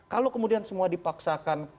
kalau kemudian semua dipaksakan